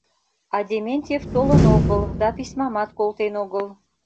А Дементьев толын огыл да письмамат колтен огыл.